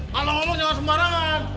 kalau lo nyawa sembarangan